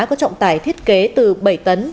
có trọng tài thiết kế từ bảy tấn